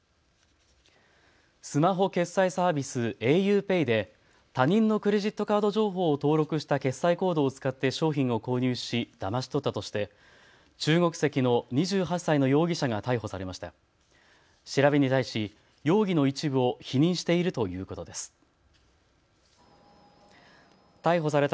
スマホ決済サービス、ａｕＰＡＹで他人のクレジットカード情報を登録した決済コードを使って商品を購入しだまし取ったとして中国籍の２８歳の容疑者が逮捕されました。